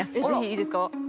いいですか？